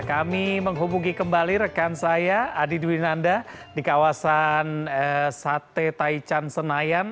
kami menghubungi kembali rekan saya adi dwinanda di kawasan sate taichan senayan